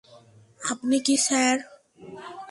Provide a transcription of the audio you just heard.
আপনি কী, স্যার?